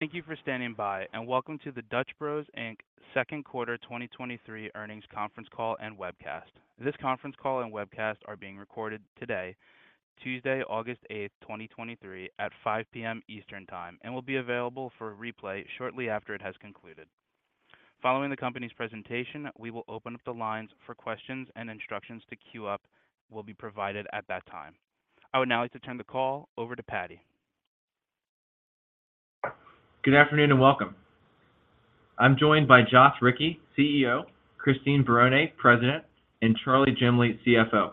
Thank you for standing by, and welcome to the Dutch Bros, Inc. second quarter 2023 earnings conference call and webcast. This conference call and webcast are being recorded today, Tuesday, August eighth, 2023, at 5:00 P.M. Eastern Time, and will be available for replay shortly after it has concluded. Following the company's presentation, we will open up the lines for questions, and instructions to queue up will be provided at that time. I would now like to turn the call over to Patty. Good afternoon, and welcome. I'm joined by Joth Ricci, CEO, Christine Barone, President, and Charley Jemley, CFO.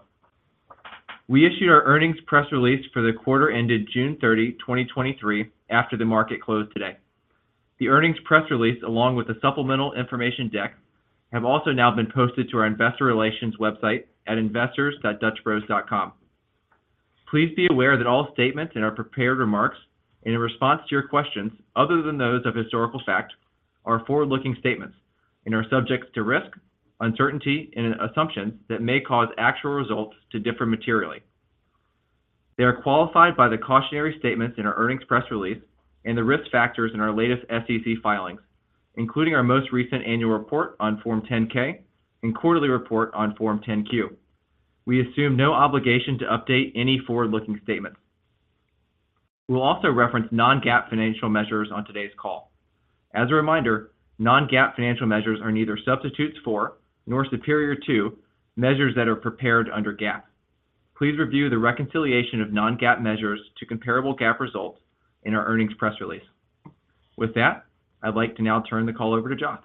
We issued our earnings press release for the quarter ended June 30, 2023, after the market closed today. The earnings press release, along with the supplemental information deck, have also now been posted to our investor relations website at investors.dutchbros.com. Please be aware that all statements in our prepared remarks and in response to your questions, other than those of historical fact, are forward-looking statements and are subject to risk, uncertainty, and assumptions that may cause actual results to differ materially. They are qualified by the cautionary statements in our earnings press release and the risk factors in our latest SEC filings, including our most recent annual report on Form 10-K and quarterly report on Form 10-Q. We assume no obligation to update any forward-looking statements. We'll also reference non-GAAP financial measures on today's call. As a reminder, non-GAAP financial measures are neither substitutes for nor superior to measures that are prepared under GAAP. Please review the reconciliation of non-GAAP measures to comparable GAAP results in our earnings press release. With that, I'd like to now turn the call over to Joth.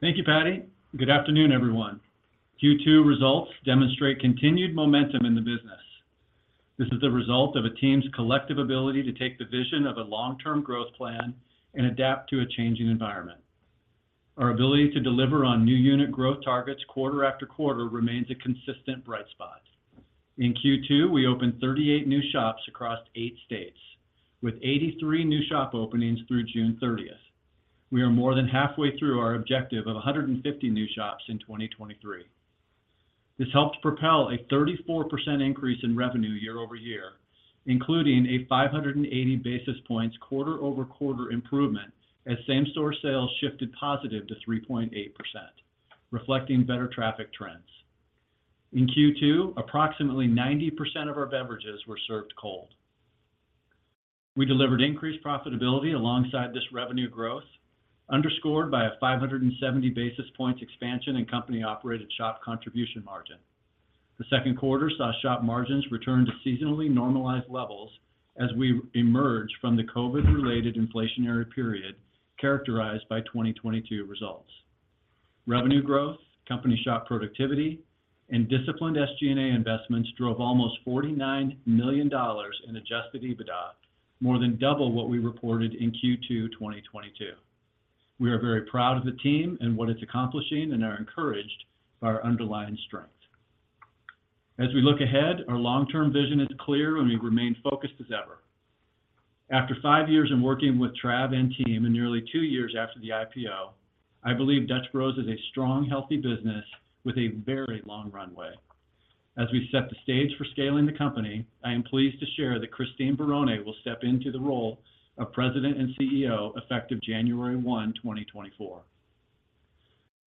Thank you, Patty. Good afternoon, everyone. Q2 results demonstrate continued momentum in the business. This is a result of a team's collective ability to take the vision of a long-term growth plan and adapt to a changing environment. Our ability to deliver on new unit growth targets quarter after quarter remains a consistent bright spot. In Q2, we opened 38 new shops across eight states, with 83 new shop openings through June 30th. We are more than halfway through our objective of 150 new shops in 2023. This helped propel a 34% increase in revenue year-over-year, including a 580 basis points quarter-over-quarter improvement, as same-shop sales shifted positive to 3.8%, reflecting better traffic trends. In Q2, approximately 90% of our beverages were served cold. We delivered increased profitability alongside this revenue growth, underscored by a 570 basis points expansion in company-operated shop contribution margin. The second quarter saw shop margins return to seasonally normalized levels as we emerged from the COVID-related inflationary period characterized by 2022 results. Revenue growth, company shop productivity, and disciplined SG&A investments drove almost $49 million in Adjusted EBITDA, more than double what we reported in Q2 2022. We are very proud of the team and what it's accomplishing and are encouraged by our underlying strength. As we look ahead, our long-term vision is clear, and we remain focused as ever. After 5 years of working with Trav and team, and nearly 2 years after the IPO, I believe Dutch Bros is a strong, healthy business with a very long runway. As we set the stage for scaling the company, I am pleased to share that Christine Barone will step into the role of President and CEO, effective January 1, 2024.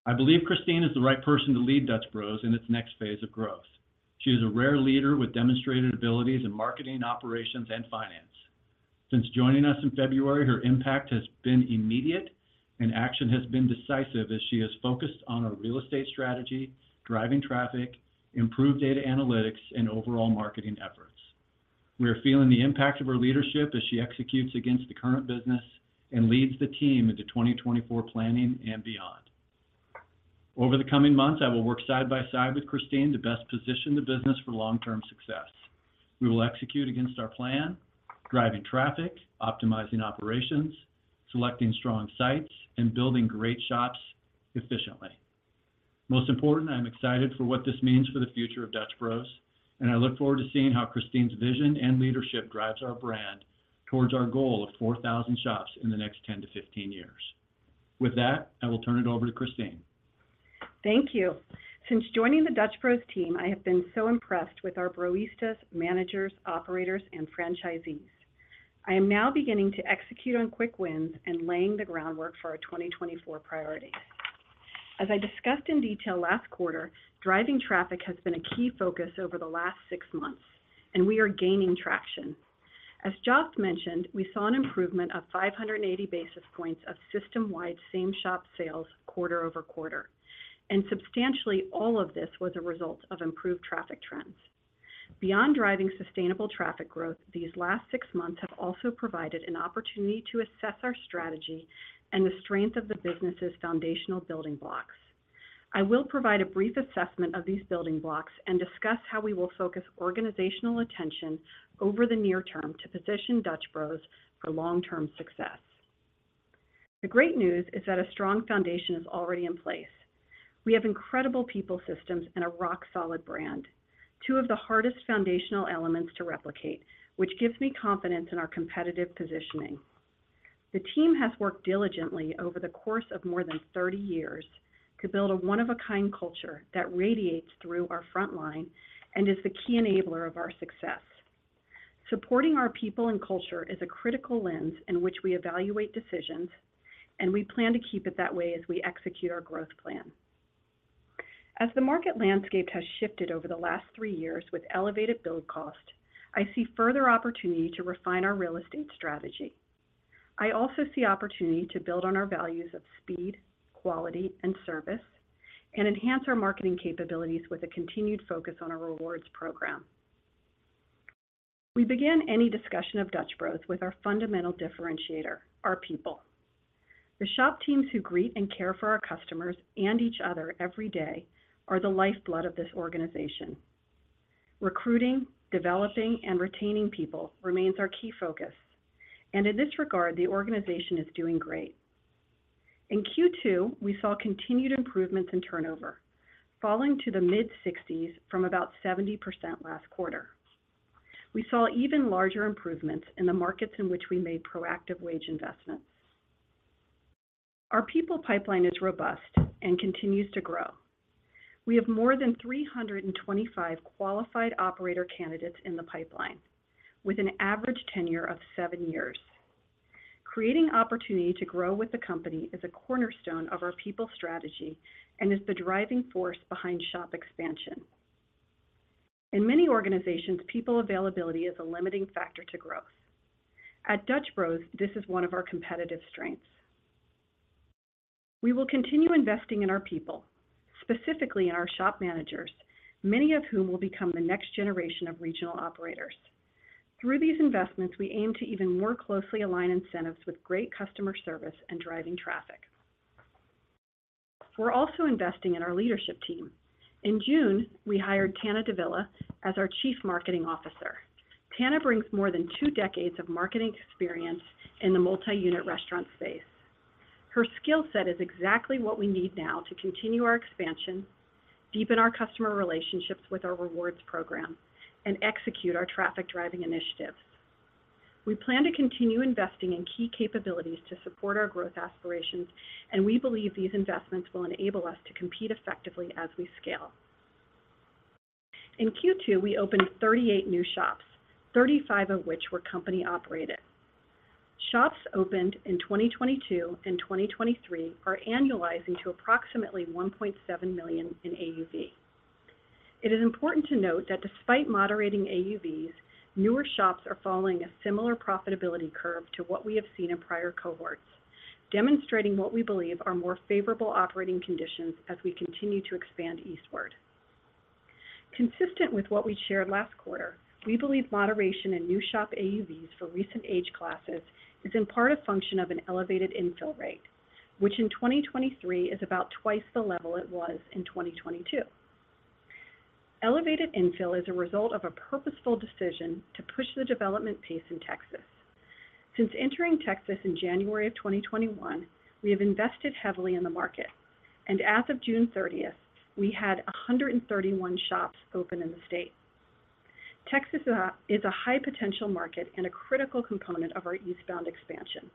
I believe Christine is the right person to lead Dutch Bros in its next phase of growth. She is a rare leader with demonstrated abilities in marketing, operations, and finance. Since joining us in February, her impact has been immediate and action has been decisive as she has focused on our real estate strategy, driving traffic, improved data analytics, and overall marketing efforts. We are feeling the impact of her leadership as she executes against the current business and leads the team into 2024 planning and beyond. Over the coming months, I will work side by side with Christine to best position the business for long-term success. We will execute against our plan, driving traffic, optimizing operations, selecting strong sites, and building great shops efficiently. Most important, I'm excited for what this means for the future of Dutch Bros, and I look forward to seeing how Christine's vision and leadership drives our brand towards our goal of 4,000 shops in the next 10-15 years. With that, I will turn it over to Christine. Thank you. Since joining the Dutch Bros team, I have been so impressed with our Broistas, managers, operators, and franchisees. I am now beginning to execute on quick wins and laying the groundwork for our 2024 priorities. As I discussed in detail last quarter, driving traffic has been a key focus over the last six months, and we are gaining traction. As Joth mentioned, we saw an improvement of 580 basis points of system-wide same-shop sales quarter-over-quarter, and substantially all of this was a result of improved traffic trends. Beyond driving sustainable traffic growth, these last six months have also provided an opportunity to assess our strategy and the strength of the business's foundational building blocks. I will provide a brief assessment of these building blocks and discuss how we will focus organizational attention over the near term to position Dutch Bros for long-term success. The great news is that a strong foundation is already in place. We have incredible people systems and a rock-solid brand, two of the hardest foundational elements to replicate, which gives me confidence in our competitive positioning. The team has worked diligently over the course of more than 30 years, to build a one-of-a-kind culture that radiates through our frontline and is the key enabler of our success. Supporting our people and culture is a critical lens in which we evaluate decisions, and we plan to keep it that way as we execute our growth plan. As the market landscape has shifted over the last 3 years with elevated build cost, I see further opportunity to refine our real estate strategy. I also see opportunity to build on our values of speed, quality, and service, and enhance our marketing capabilities with a continued focus on our rewards program. We begin any discussion of Dutch Bros with our fundamental differentiator, our people. The shop teams who greet and care for our customers and each other every day are the lifeblood of this organization. Recruiting, developing, and retaining people remains our key focus, and in this regard, the organization is doing great. In Q2, we saw continued improvements in turnover, falling to the mid-60s from about 70% last quarter. We saw even larger improvements in the markets in which we made proactive wage investments. Our people pipeline is robust and continues to grow. We have more than 325 qualified operator candidates in the pipeline, with an average tenure of 7 years. Creating opportunity to grow with the company is a cornerstone of our people strategy and is the driving force behind shop expansion. In many organizations, people availability is a limiting factor to growth. At Dutch Bros, this is one of our competitive strengths. We will continue investing in our people, specifically in our shop managers, many of whom will become the next generation of regional operators. Through these investments, we aim to even more closely align incentives with great customer service and driving traffic. We're also investing in our leadership team. In June, we hired Tana Davila as our Chief Marketing Officer. Tana brings more than two decades of marketing experience in the multi-unit restaurant space. Her skill set is exactly what we need now to continue our expansion, deepen our customer relationships with our rewards program, and execute our traffic-driving initiatives. We plan to continue investing in key capabilities to support our growth aspirations, and we believe these investments will enable us to compete effectively as we scale. In Q2, we opened 38 new shops, 35 of which were company-operated. Shops opened in 2022 and 2023 are annualizing to approximately $1.7 million in AUV. It is important to note that despite moderating AUVs, newer shops are following a similar profitability curve to what we have seen in prior cohorts, demonstrating what we believe are more favorable operating conditions as we continue to expand eastward. Consistent with what we shared last quarter, we believe moderation in new shop AUVs for recent age classes is in part a function of an elevated infill rate, which in 2023 is about twice the level it was in 2022. Elevated infill is a result of a purposeful decision to push the development pace in Texas. Since entering Texas in January of 2021, we have invested heavily in the market. As of June 30th, we had 131 shops open in the state. Texas is a, is a high potential market and a critical component of our eastbound expansion.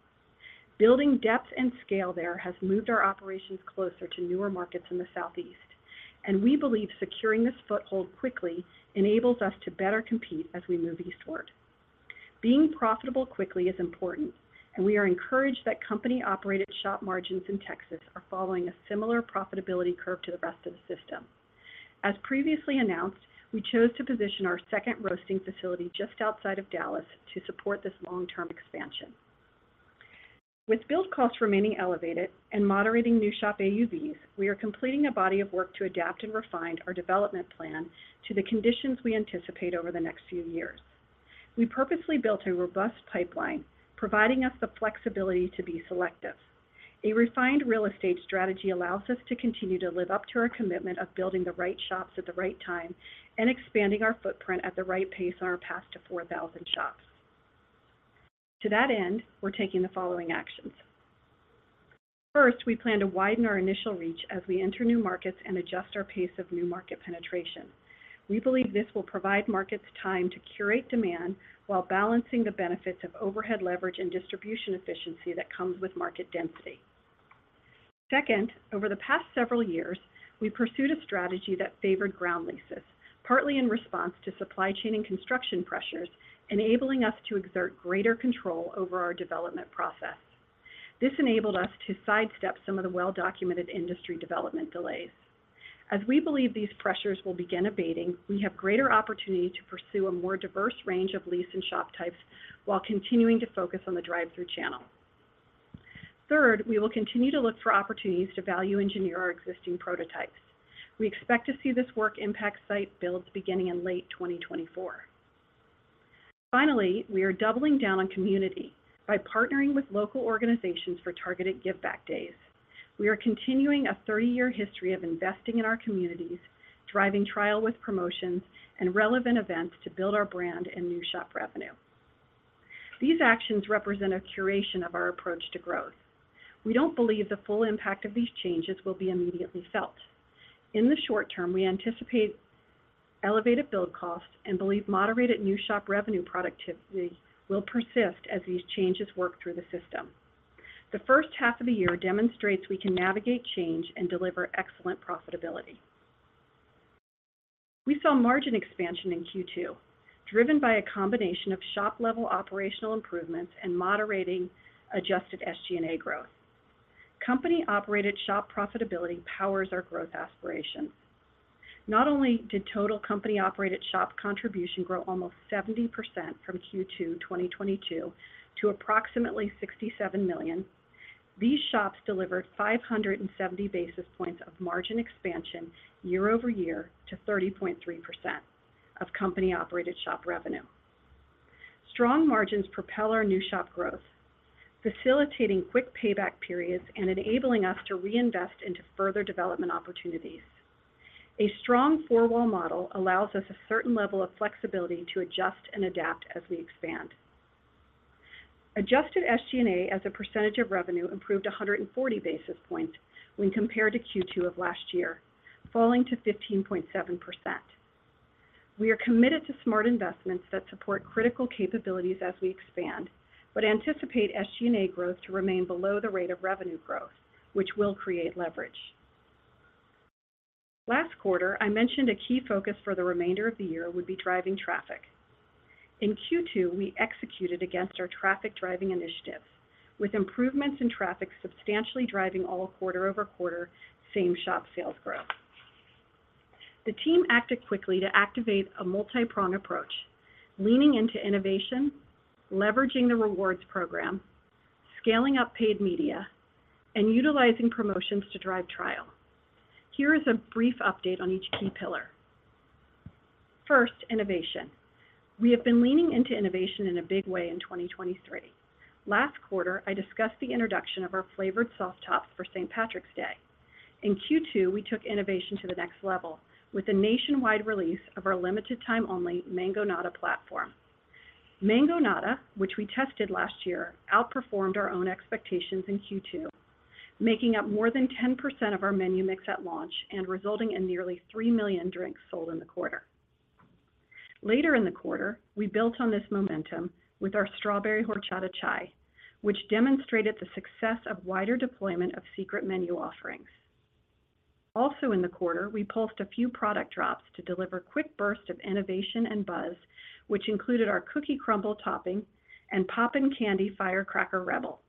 Building depth and scale there has moved our operations closer to newer markets in the Southeast. We believe securing this foothold quickly enables us to better compete as we move eastward. Being profitable quickly is important. We are encouraged that company-operated shop margins in Texas are following a similar profitability curve to the rest of the system. As previously announced, we chose to position our second roasting facility just outside of Dallas to support this long-term expansion. With build costs remaining elevated and moderating new shop AUVs, we are completing a body of work to adapt and refine our development plan to the conditions we anticipate over the next few years. We purposely built a robust pipeline, providing us the flexibility to be selective. A refined real estate strategy allows us to continue to live up to our commitment of building the right shops at the right time and expanding our footprint at the right pace on our path to 4,000 shops. To that end, we're taking the following actions. First, we plan to widen our initial reach as we enter new markets and adjust our pace of new market penetration. We believe this will provide markets time to curate demand while balancing the benefits of overhead leverage and distribution efficiency that comes with market density. Second, over the past several years, we pursued a strategy that favored ground leases, partly in response to supply chain and construction pressures, enabling us to exert greater control over our development process. This enabled us to sidestep some of the well-documented industry development delays. As we believe these pressures will begin abating, we have greater opportunity to pursue a more diverse range of lease and shop types while continuing to focus on the drive-thru channel. Third, we will continue to look for opportunities to value engineer our existing prototypes. We expect to see this work impact site builds beginning in late 2024. Finally, we are doubling down on community by partnering with local organizations for targeted give back days. We are continuing a 30-year history of investing in our communities, driving trial with promotions and relevant events to build our brand and new shop revenue. These actions represent a curation of our approach to growth. We don't believe the full impact of these changes will be immediately felt. In the short term, we anticipate elevated build costs, and believe moderated new shop revenue productivity will persist as these changes work through the system. The first half of the year demonstrates we can navigate change and deliver excellent profitability. We saw margin expansion in Q2, driven by a combination of shop-level operational improvements and moderating adjusted SG&A growth. Company-operated shop profitability powers our growth aspirations. Not only did total company-operated shop contribution grow almost 70% from Q2 2022 to approximately $67 million, these shops delivered 570 basis points of margin expansion year-over-year to 30.3% of company-operated shop revenue. Strong margins propel our new shop growth, facilitating quick payback periods and enabling us to reinvest into further development opportunities. A strong four-wall model allows us a certain level of flexibility to adjust and adapt as we expand. Adjusted SG&A as a percentage of revenue improved 140 basis points when compared to Q2 of last year, falling to 15.7%. We are committed to smart investments that support critical capabilities as we expand, but anticipate SG&A growth to remain below the rate of revenue growth, which will create leverage. Last quarter, I mentioned a key focus for the remainder of the year would be driving traffic. In Q2, we executed against our traffic-driving initiatives, with improvements in traffic substantially driving all quarter-over-quarter same-shop sales growth. The team acted quickly to activate a multipronged approach, leaning into innovation, leveraging the rewards program, scaling up paid media, and utilizing promotions to drive trial. Here is a brief update on each key pillar. First, innovation. We have been leaning into innovation in a big way in 2023. Last quarter, I discussed the introduction of our flavored Soft Tops for St. Patrick's Day. In Q2, we took innovation to the next level with a nationwide release of our limited time only Mangonada platform. Mangonada, which we tested last year, outperformed our own expectations in Q2, making up more than 10% of our menu mix at launch and resulting in nearly 3 million drinks sold in the quarter. Later in the quarter, we built on this momentum with our Strawberry Horchata Chai, which demonstrated the success of wider deployment of secret menu offerings. In the quarter, we pulsed a few product drops to deliver quick burst of innovation and buzz, which included our cookie crumbles topping and Poppin' Candy Firecracker Rebel.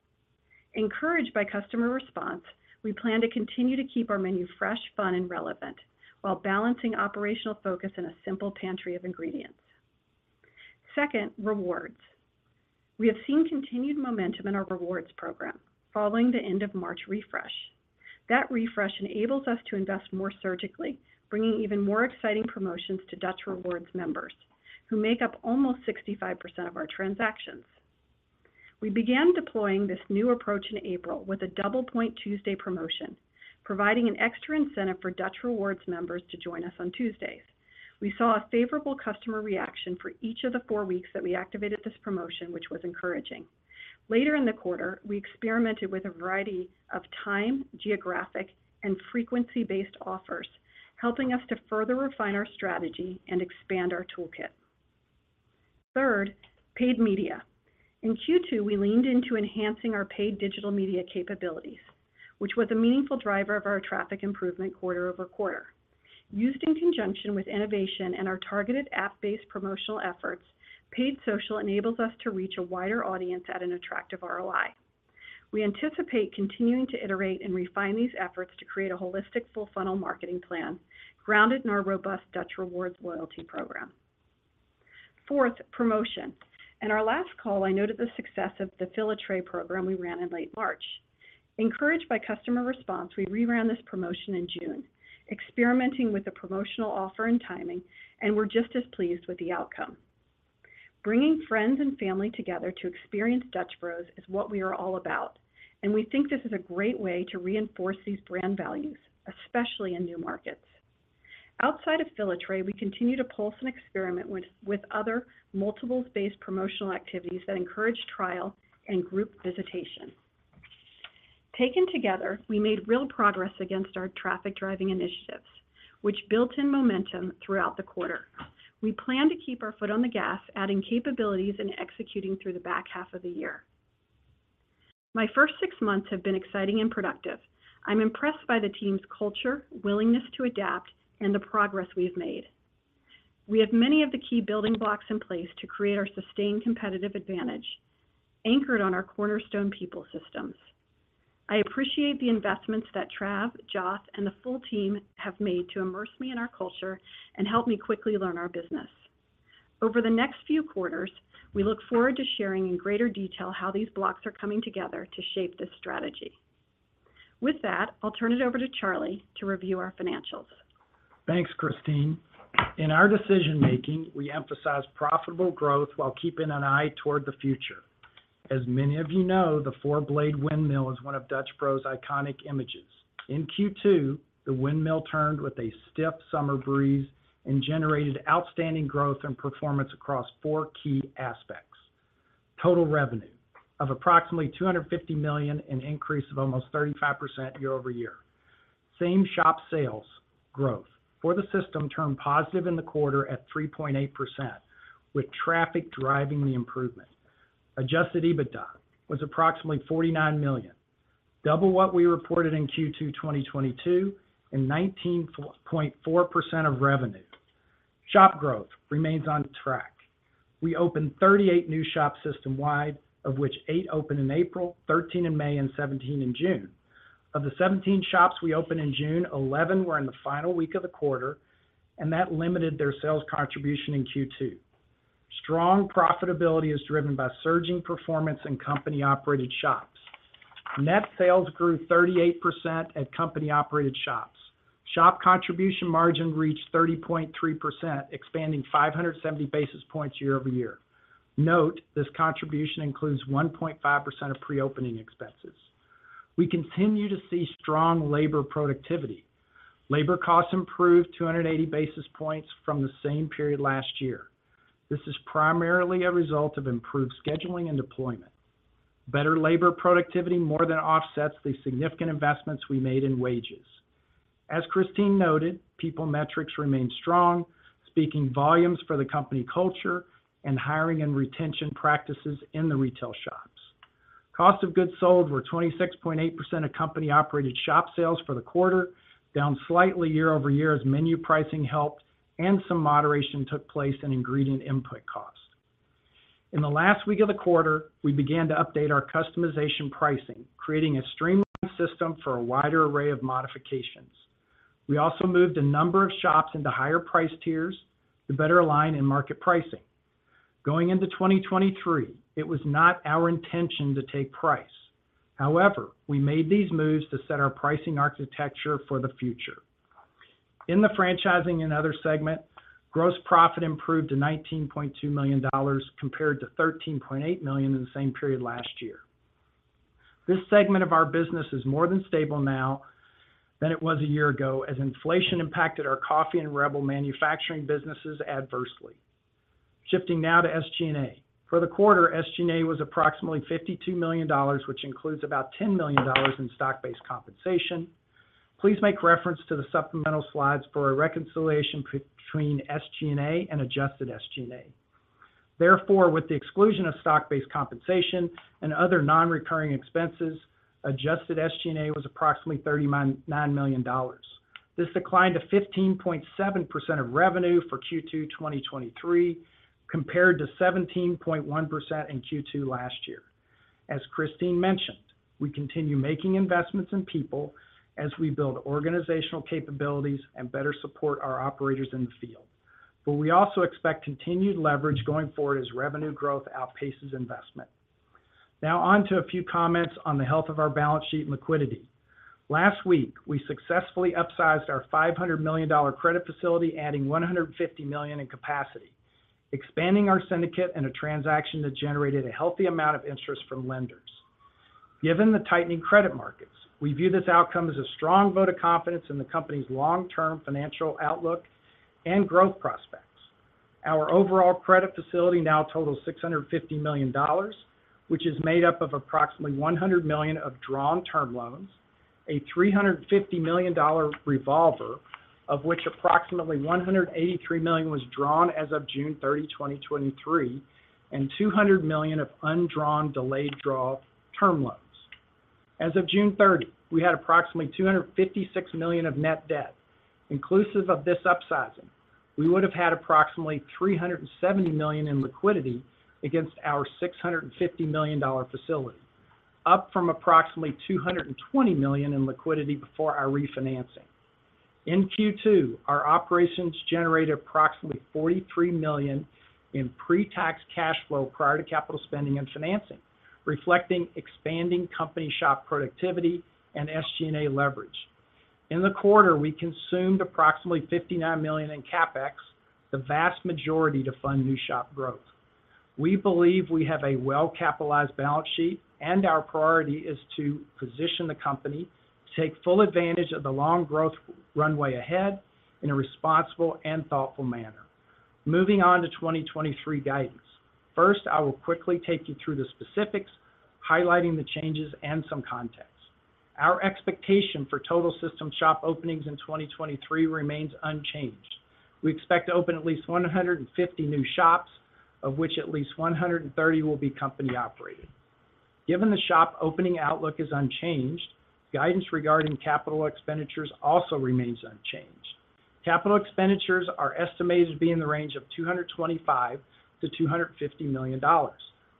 Encouraged by customer response, we plan to continue to keep our menu fresh, fun, and relevant while balancing operational focus in a simple pantry of ingredients. Second, rewards. We have seen continued momentum in our rewards program following the end of March refresh. That refresh enables us to invest more surgically, bringing even more exciting promotions to Dutch Rewards members, who make up almost 65% of our transactions. We began deploying this new approach in April with a Double Point Tuesday promotion, providing an extra incentive for Dutch Rewards members to join us on Tuesdays. We saw a favorable customer reaction for each of the 4 weeks that we activated this promotion, which was encouraging. Later in the quarter, we experimented with a variety of time, geographic, and frequency-based offers, helping us to further refine our strategy and expand our toolkit. Third, paid media. In Q2, we leaned into enhancing our paid digital media capabilities, which was a meaningful driver of our traffic improvement quarter-over-quarter. Used in conjunction with innovation and our targeted app-based promotional efforts, paid social enables us to reach a wider audience at an attractive ROI. We anticipate continuing to iterate and refine these efforts to create a holistic, full-funnel marketing plan grounded in our robust Dutch Rewards loyalty program. Fourth, promotion. In our last call, I noted the success of the Fill a Tray program we ran in late March. Encouraged by customer response, we reran this promotion in June, experimenting with the promotional offer and timing, and we're just as pleased with the outcome. Bringing friends and family together to experience Dutch Bros is what we are all about. We think this is a great way to reinforce these brand values, especially in new markets. Outside of Fill a Tray, we continue to pulse and experiment with other multiples-based promotional activities that encourage trial and group visitation. Taken together, we made real progress against our traffic-driving initiatives, which built in momentum throughout the quarter. We plan to keep our foot on the gas, adding capabilities and executing through the back half of the year. My first six months have been exciting and productive. I'm impressed by the team's culture, willingness to adapt, and the progress we've made. We have many of the key building blocks in place to create our sustained competitive advantage, anchored on our cornerstone people systems. I appreciate the investments that Trav, Joth, and the full team have made to immerse me in our culture and help me quickly learn our business. Over the next few quarters, we look forward to sharing in greater detail how these blocks are coming together to shape this strategy. With that, I'll turn it over to Charley to review our financials. Thanks, Christine. In our decision making, we emphasize profitable growth while keeping an eye toward the future. As many of you know, the four-blade windmill is one of Dutch Bros' iconic images. In Q2, the windmill turned with a stiff summer breeze and generated outstanding growth and performance across four key aspects. Total revenue of approximately $250 million, an increase of almost 35% year-over-year. Same-shop sales growth for the system turned positive in the quarter at 3.8%, with traffic driving the improvement. Adjusted EBITDA was approximately $49 million, double what we reported in Q2 2022, and 19.4% of revenue. Shop growth remains on track. We opened 38 new shops system-wide, of which 8 opened in April, 13 in May, and 17 in June. Of the 17 shops we opened in June, 11 were in the final week of the quarter, and that limited their sales contribution in Q2. Strong profitability is driven by surging performance in company-operated shops. Net sales grew 38% at company-operated shops. Shop contribution margin reached 30.3%, expanding 570 basis points year-over-year. Note, this contribution includes 1.5% of pre-opening expenses. We continue to see strong labor productivity. Labor costs improved 280 basis points from the same period last year. This is primarily a result of improved scheduling and deployment. Better labor productivity more than offsets the significant investments we made in wages. As Christine noted, people metrics remain strong, speaking volumes for the company culture and hiring and retention practices in the retail shops. Cost of goods sold were 26.8% of company-operated shop sales for the quarter, down slightly year-over-year as menu pricing helped and some moderation took place in ingredient input costs. In the last week of the quarter, we began to update our customization pricing, creating a streamlined system for a wider array of modifications. We also moved a number of shops into higher price tiers to better align in market pricing. Going into 2023, it was not our intention to take price. However, we made these moves to set our pricing architecture for the future. In the franchising and other segment, gross profit improved to $19.2 million, compared to $13.8 million in the same period last year. This segment of our business is more than stable now than it was a year ago, as inflation impacted our coffee and Rebel manufacturing businesses adversely. Shifting now to SG&A. For the quarter, SG&A was approximately $52 million, which includes about $10 million in stock-based compensation. Please make reference to the supplemental slides for a reconciliation between SG&A and Adjusted SG&A. With the exclusion of stock-based compensation and other non-recurring expenses, Adjusted SG&A was approximately $39 million. This declined to 15.7% of revenue for Q2 2023, compared to 17.1% in Q2 last year. As Christine mentioned, we continue making investments in people as we build organizational capabilities and better support our operators in the field. We also expect continued leverage going forward as revenue growth outpaces investment. Now on to a few comments on the health of our balance sheet and liquidity. Last week, we successfully upsized our $500 million credit facility, adding $150 million in capacity, expanding our syndicate in a transaction that generated a healthy amount of interest from lenders. Given the tightening credit markets, we view this outcome as a strong vote of confidence in the company's long-term financial outlook and growth prospects. Our overall credit facility now totals $650 million, which is made up of approximately $100 million of drawn term loans, a $350 million revolver, of which approximately $183 million was drawn as of June 30, 2023, and $200 million of undrawn delayed draw term loans. As of June 30, we had approximately $256 million of net debt. Inclusive of this upsizing, we would have had approximately $370 million in liquidity against our $650 million facility, up from approximately $220 million in liquidity before our refinancing. In Q2, our operations generated approximately $43 million in pre-tax cash flow prior to capital spending and financing, reflecting expanding company shop productivity and SG&A leverage. In the quarter, we consumed approximately $59 million in CapEx, the vast majority to fund new shop growth. We believe we have a well-capitalized balance sheet, and our priority is to position the company to take full advantage of the long growth runway ahead in a responsible and thoughtful manner. Moving on to 2023 guidance. First, I will quickly take you through the specifics, highlighting the changes and some context. Our expectation for total system shop openings in 2023 remains unchanged. We expect to open at least 150 new shops, of which at least 130 will be company-operated. Given the shop opening outlook is unchanged, guidance regarding capital expenditures also remains unchanged. Capital expenditures are estimated to be in the range of $225 million-$250 million,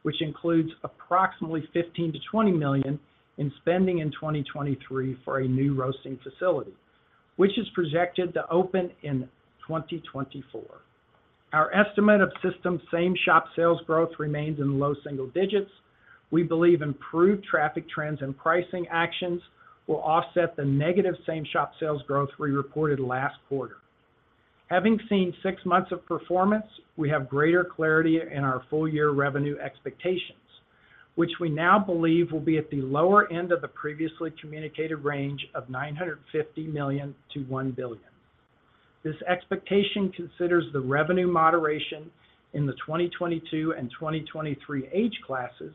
which includes approximately $15 million-$20 million in spending in 2023 for a new roasting facility, which is projected to open in 2024. Our estimate of system same-shop sales growth remains in low single digits. We believe improved traffic trends and pricing actions will offset the negative same-shop sales growth we reported last quarter. Having seen 6 months of performance, we have greater clarity in our full year revenue expectations, which we now believe will be at the lower end of the previously communicated range of $950 million-$1 billion. This expectation considers the revenue moderation in the 2022 and 2023 age classes,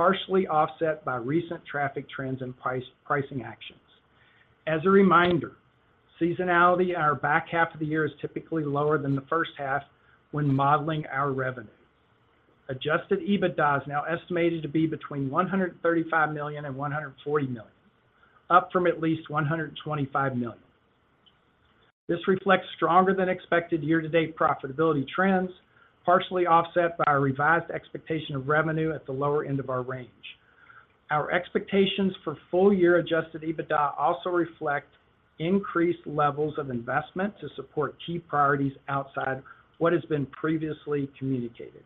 partially offset by recent traffic trends and price, pricing actions. As a reminder, seasonality in our back half of the year is typically lower than the first half when modeling our revenue. Adjusted EBITDA is now estimated to be between $135 million and $140 million, up from at least $125 million. This reflects stronger than expected year-to-date profitability trends, partially offset by our revised expectation of revenue at the lower end of our range. Our expectations for full-year Adjusted EBITDA also reflect increased levels of investment to support key priorities outside what has been previously communicated.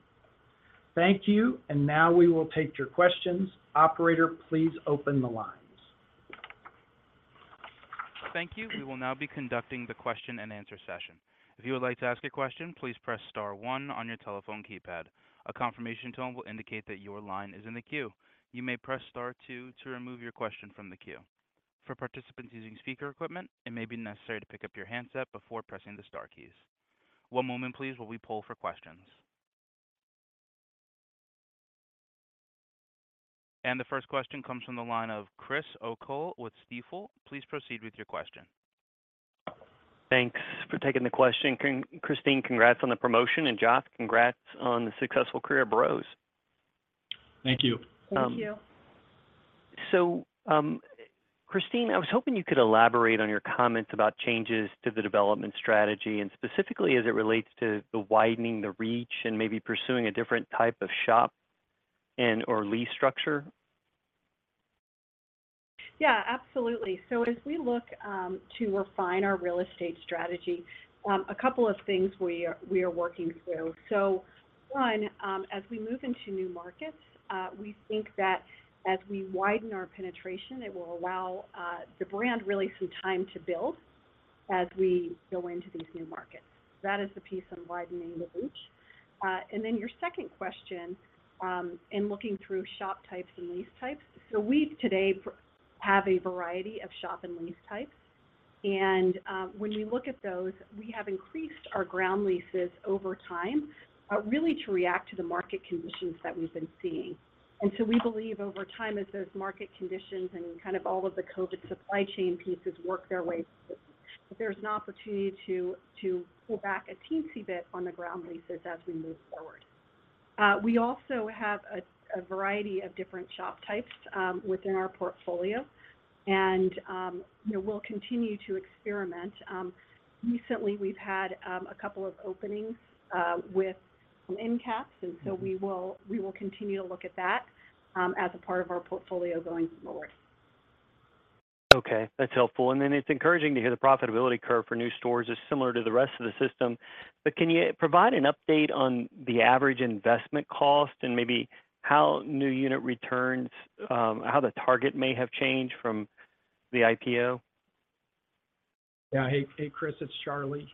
Thank you, now we will take your questions. Operator, please open the lines. Thank you. We will now be conducting the question and answer session. If you would like to ask a question, please press star one on your telephone keypad. A confirmation tone will indicate that your line is in the queue. You may press star two to remove your question from the queue. For participants using speaker equipment, it may be necessary to pick up your handset before pressing the star keys. One moment, please, while we poll for questions. The first question comes from the line of Chris O'Cull with Stifel. Please proceed with your question. Thanks for taking the question. Christine, congrats on the promotion, and Joth, congrats on the successful career at Bros. Thank you. Thank you. Christine, I was hoping you could elaborate on your comments about changes to the development strategy, and specifically as it relates to the widening the reach and maybe pursuing a different type of shop and or lease structure? Yeah, absolutely. As we look to refine our real estate strategy, a couple of things we are working through. One, as we move into new markets, we think that as we widen our penetration, it will allow the brand really some time to build as we go into these new markets. That is the piece on widening the reach. And then your second question, in looking through shop types and lease types. We today have a variety of shop and lease types, and when you look at those, we have increased our ground leases over time, really to react to the market conditions that we've been seeing. We believe over time, as those market conditions and kind of all of the COVID supply chain pieces work their way, there's an opportunity to, to pull back a teensy bit on the ground leases as we move forward. We also have a variety of different shop types within our portfolio, and, you know, we'll continue to experiment. Recently, we've had a couple of openings with some end caps, and so we will, we will continue to look at that as a part of our portfolio going forward. Okay, that's helpful. Then it's encouraging to hear the profitability curve for new stores is similar to the rest of the system. Can you provide an update on the average investment cost and maybe how new unit returns, how the target may have changed from the IPO? Yeah. Hey, hey, Chris, it's Charley.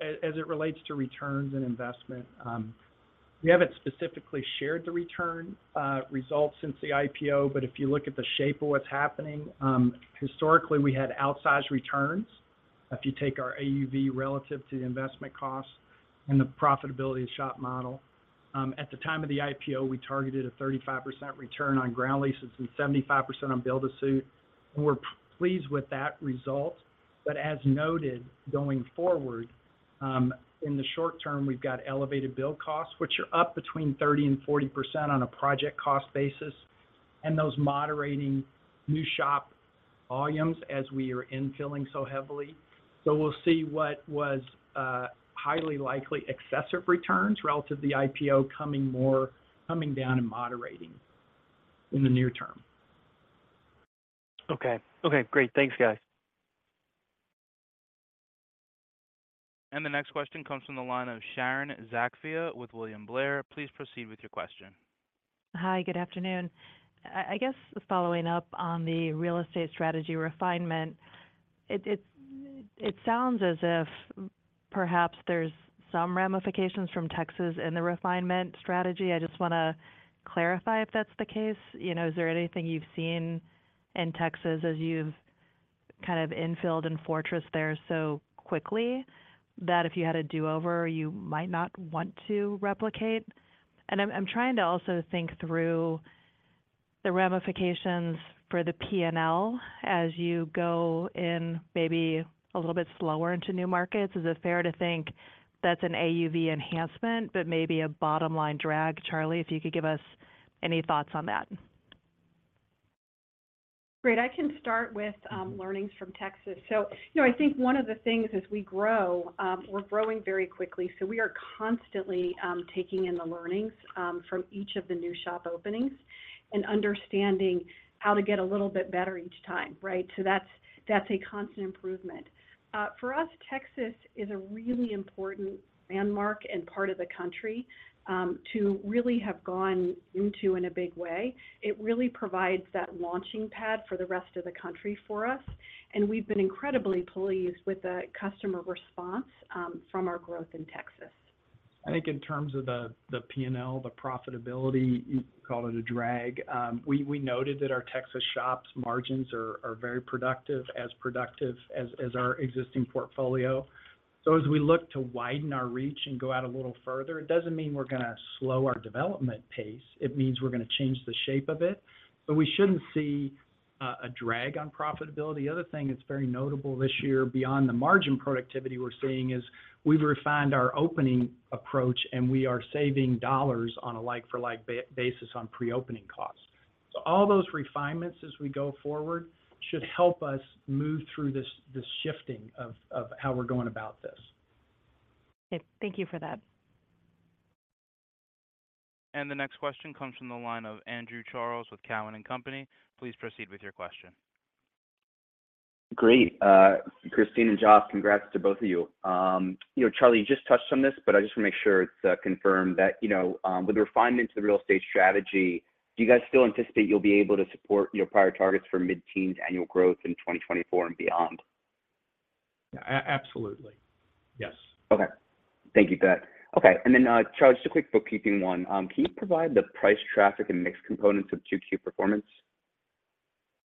As it relates to returns on investment, we haven't specifically shared the return results since the IPO, but if you look at the shape of what's happening, historically, we had outsized returns. If you take our AUV relative to the investment costs and the profitability of shop model, at the time of the IPO, we targeted a 35% return on ground leases and 75% on build-to-suit, and we're pleased with that result. As noted, going forward, in the short term, we've got elevated build costs, which are up between 30% and 40% on a project cost basis, and those moderating new shop volumes as we are infilling so heavily. We'll see what was highly likely excessive returns relative to the IPO coming more, coming down and moderating in the near term. Okay. Okay, great. Thanks, guys. The next question comes from the line of Sharon Zackfia with William Blair. Please proceed with your question. Hi, good afternoon. I guess following up on the real estate strategy refinement, it sounds as if perhaps there's some ramifications from Texas in the refinement strategy. I just wanna clarify if that's the case. You know, is there anything you've seen in Texas as you've kind of infilled and fortressed there so quickly, that if you had a do-over, you might not want to replicate? I'm trying to also think through the ramifications for the PNL as you go in maybe a little bit slower into new markets. Is it fair to think that's an AUV enhancement, but maybe a bottom-line drag, Charley, if you could give us any thoughts on that? Great. I can start with learnings from Texas. You know, I think one of the things as we grow, we're growing very quickly, so we are constantly taking in the learnings from each of the new shop openings and understanding how to get a little bit better each time, right? That's, that's a constant improvement. For us, Texas is a really important landmark and part of the country to really have gone into in a big way. It really provides that launching pad for the rest of the country for us, and we've been incredibly pleased with the customer response from our growth in Texas. I think in terms of the, the P&L, the profitability, you call it a drag. We, we noted that our Texas shops margins are, are very productive, as productive as, as our existing portfolio. As we look to widen our reach and go out a little further, it doesn't mean we're gonna slow our development pace. It means we're gonna change the shape of it, but we shouldn't see a drag on profitability. The other thing that's very notable this year, beyond the margin productivity we're seeing, is we've refined our opening approach, and we are saving dollars on a like-for-like basis on pre-opening costs. All those refinements as we go forward, should help us move through this, this shifting of, of how we're going about this. Okay, thank you for that. The next question comes from the line of Andrew Charles with Cowen and Company. Please proceed with your question. Great. Christine and Joth, congrats to both of you. You know, Charley, you just touched on this, but I just wanna make sure it's confirmed that, you know, with the refinements to the real estate strategy, do you guys still anticipate you'll be able to support your prior targets for mid-teens annual growth in 2024 and beyond? Absolutely. Yes. Okay. Thank you for that. Okay, Charley, just a quick bookkeeping one. Can you provide the price, traffic, and mixed components of Q2 performance?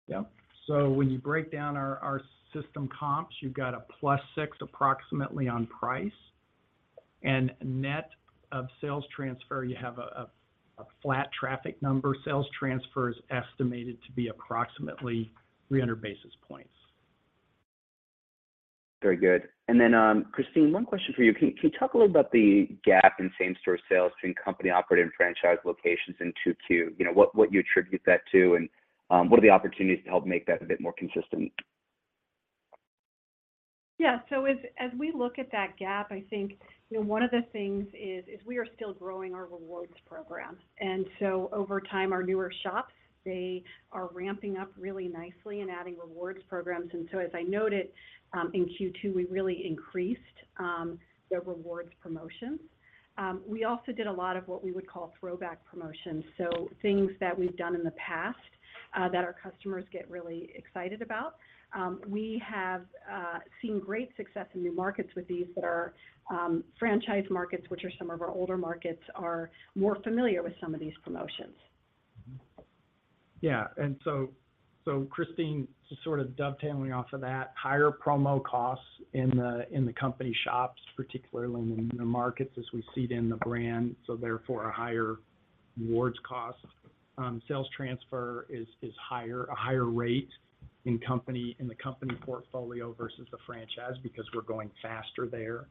Yeah. When you break down our, our system comps, you've got a +6 approximately on price, and net of sales transfer, you have a, a, a flat traffic number. Sales transfer is estimated to be approximately 300 basis points. Very good. Then, Christine, one question for you. Can you talk a little about the gap in same-shop sales between company-operated and franchise locations in Q2? You know, what do you attribute that to, and, what are the opportunities to help make that a bit more consistent? Yeah. So as, as we look at that gap, I think, you know, one of the things is, is we are still growing our rewards program. Over time, our newer shops, they are ramping up really nicely and adding rewards programs. As I noted, in Q2, we really increased the rewards promotions. We also did a lot of what we would call throwback promotions, so things that we've done in the past that our customers get really excited about. We have seen great success in new markets with these that are franchise markets, which are some of our older markets, are more familiar with some of these promotions. Mm-hmm. Yeah, Christine Barone, just sort of dovetailing off of that, higher promo costs in the company shops, particularly in the markets as we seed in the brand, so therefore, a higher rewards cost. Sales transfer is higher, a higher rate in the company portfolio versus the franchise because we're going faster there.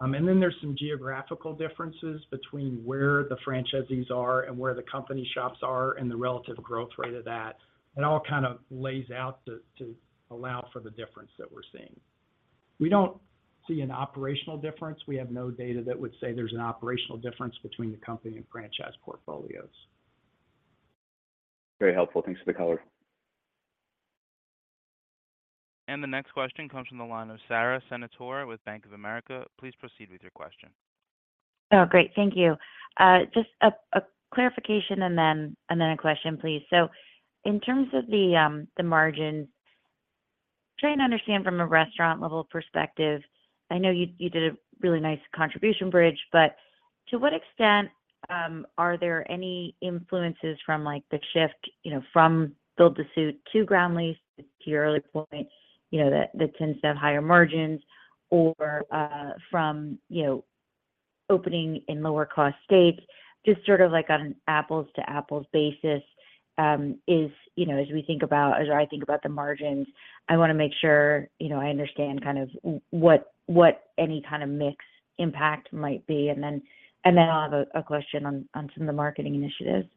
There's some geographical differences between where the franchisees are and where the company shops are, and the relative growth rate of that. It all kind of lays out to allow for the difference that we're seeing. We don't see an operational difference. We have no data that would say there's an operational difference between the company and franchise portfolios. Very helpful. Thanks for the color. The next question comes from the line of Sara Senatore with Bank of America. Please proceed with your question. Oh, great. Thank you. Just a clarification and then, and then a question, please. In terms of the margins, trying to understand from a restaurant-level perspective, I know you, you did a really nice contribution bridge, but to what extent are there any influences from, like, the shift, you know, from build-to-suit to ground lease, to your earlier point, you know, that tends to have higher margins or from, you know, opening in lower-cost states? Just sort of like on an apples-to-apples basis, is, you know, as we think about-- or as I think about the margins, I wanna make sure, you know, I understand kind of what, what any kind of mix impact might be. Then, and then I'll have a question on, on some of the marketing initiatives.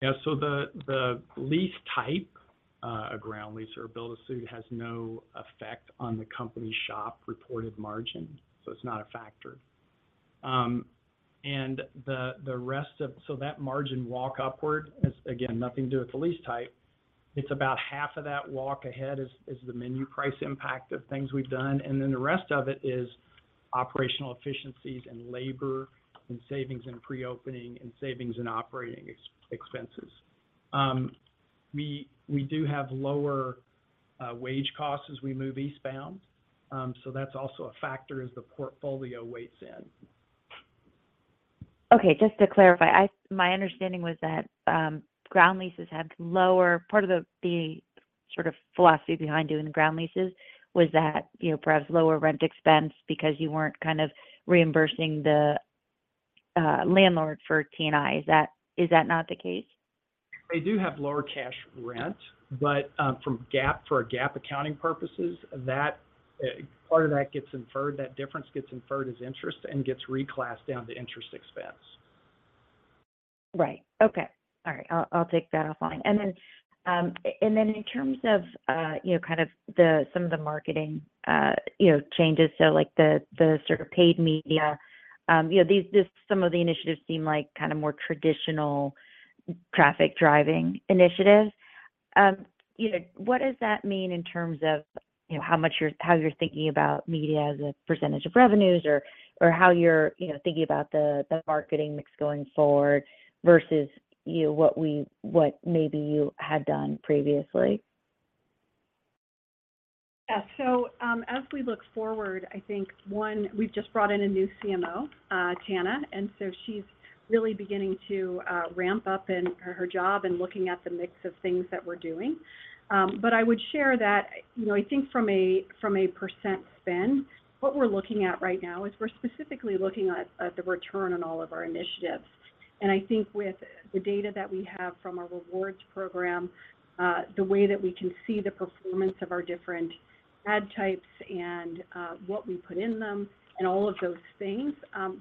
Yeah, so the, the lease type, a ground lease or a build-to-suit, has no effect on the company's shop-reported margin, so it's not a factor. That margin walk upward is, again, nothing to do with the lease type. It's about half of that walk ahead is, is the menu price impact of things we've done, and then the rest of it is operational efficiencies and labor and savings in pre-opening and savings in operating expenses. We, we do have lower, wage costs as we move eastbound, so that's also a factor as the portfolio weights in. Okay, just to clarify, my understanding was that, ground leases had lower... Part of the sort of philosophy behind doing the ground leases was that, you know, perhaps lower rent expense because you weren't kind of reimbursing the landlord for TI. Is that, is that not the case? They do have lower cash rent, but, from GAAP, for a GAAP accounting purposes, that part of that gets inferred, that difference gets inferred as interest and gets reclassed down to interest expense. Right. Okay. All right, I'll, I'll take that offline. Then, and then in terms of, you know, kind of the, some of the marketing, you know, changes, so like the, the sort of paid media, you know, this, some of the initiatives seem like kind of more traditional traffic-driving initiatives. You know, what does that mean in terms of, you know, how much how you're thinking about media as a percentage of revenues or, or how you're, you know, thinking about the, the marketing mix going forward versus, you know, what maybe you had done previously?... Yeah, as we look forward, I think, one, we've just brought in a new CMO, Tana, and she's really beginning to ramp up in her, her job and looking at the mix of things that we're doing. I would share that, you know, I think from a, from a percent spend, what we're looking at right now is we're specifically looking at, at the return on all of our initiatives. I think with the data that we have from our rewards program, the way that we can see the performance of our different ad types and, what we put in them and all of those things,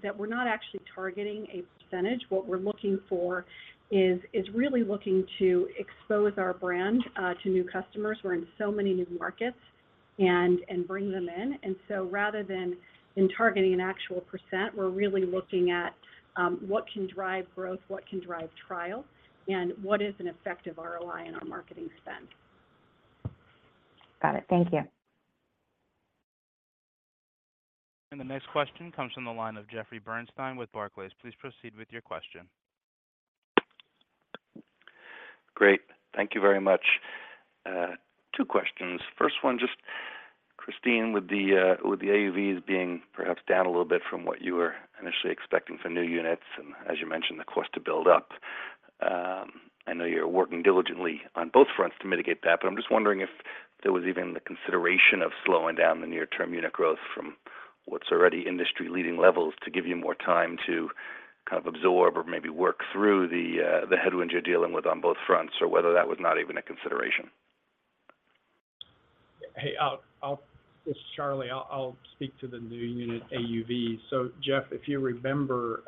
that we're not actually targeting a percentage. What we're looking for is really looking to expose our brand to new customers, we're in so many new markets, and, and bring them in. Rather than in targeting an actual %, we're really looking at, what can drive growth, what can drive trial, and what is an effective ROI on our marketing spend? Got it. Thank you. The next question comes from the line of Jeffrey Bernstein with Barclays. Please proceed with your question. Great. Thank you very much. Two questions. First one, just Christine, with the, with the AUVs being perhaps down a little bit from what you were initially expecting for new units, and as you mentioned, the cost to build up, I know you're working diligently on both fronts to mitigate that, but I'm just wondering if there was even the consideration of slowing down the near term unit growth from what's already industry leading levels to give you more time to kind of absorb or maybe work through the, the headwind you're dealing with on both fronts, or whether that was not even a consideration? Hey, I'll. This is Charley. I'll speak to the new unit AUV. Jeff, if you remember,